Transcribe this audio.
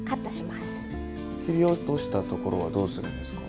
切り落としたところはどうするんですか？